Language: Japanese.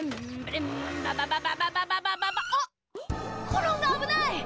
コロンがあぶない！